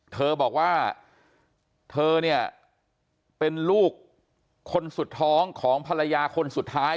เธอบอกว่าเธอเนี่ยเป็นลูกคนสุดท้องของภรรยาคนสุดท้าย